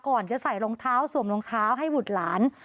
ก่อนจะใส่รองเท้าสวมรองเท้าให้บุตรหลาน